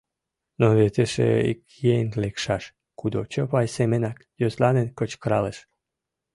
Но вет эше ик еҥ лекшаш, кудо Чопай семынак йӧсланен кычкыралеш.